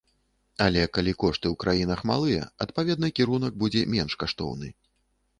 Але калі кошты ў краінах малыя, адпаведна кірунак будзе менш каштоўны.